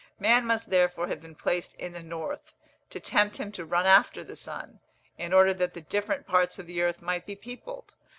Man must therefore have been placed in the north, to tempt him to run after the sun, in order that the different parts of the earth might be peopled.